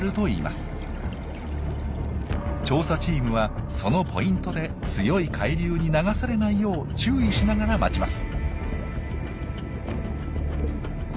調査チームはそのポイントで強い海流に流されないよう注意しながら待ちます。